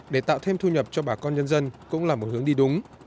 để tạo thêm thu nhập cho bà con nhân dân cũng là một hướng đi đúng